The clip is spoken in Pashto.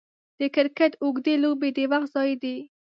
د کرکټ اوږدې لوبې د وخت ضايع دي.